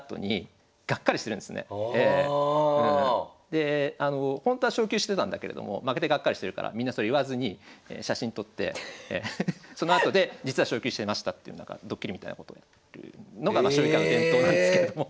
でほんとは昇級してたんだけれども負けてがっかりしてるからみんなそれ言わずに写真撮ってそのあとで実は昇級してましたっていうなんかドッキリみたいなことをやってるのがまあ将棋界の伝統なんですけれども。